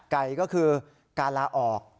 ไก่ก็คือการลาออก